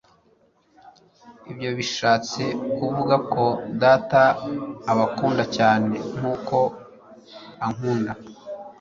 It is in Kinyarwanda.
lbyo bishatse kuvuga ko: Data abakunda cyane nk'uko ankunda,